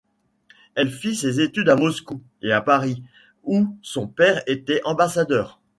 Elle fit ses études à Moscou et à Paris, où son père était ambassadeur.